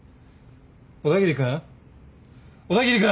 小田切君？